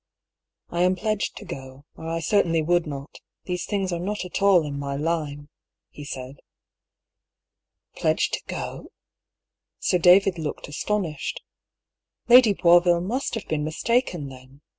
"I am pledged to go, or I certainly would not These things are not at all in my line," he said. "Pledged to go? Sir David looked astonished. " Lady Boisville must have been mistaken, then.